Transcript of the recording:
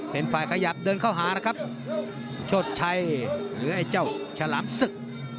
เป็นฝ่ายขยับเดินเข้าหานะครับโชชัยหรือไอ้เจ้าฉลามศึก